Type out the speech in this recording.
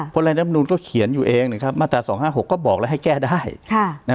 เพราะว่าในลักษณุนก็เขียนอยู่เองเนี้ยครับมาตราสองห้าหกก็บอกแล้วให้แก้ได้ค่ะ